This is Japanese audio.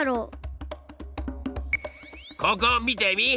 ここ見てみ。